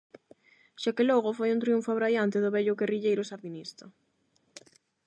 Xa que logo, foi un triunfo abraiante do vello guerrilleiro sandinista.